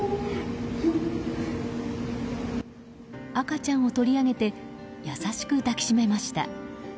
赤ちゃんを取り上げて優しく抱きしめました。